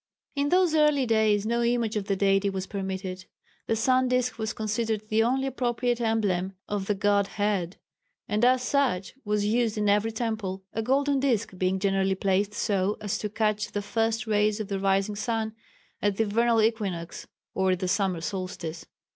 In those early days no image of the Deity was permitted. The sun disk was considered the only appropriate emblem of the godhead, and as such was used in every temple, a golden disk being generally placed so as to catch the first rays of the rising sun at the vernal equinox or at the summer solstice.